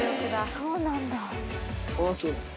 そうなんだ。